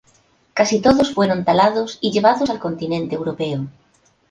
Casi todos fueron talados y llevados al continente europeo.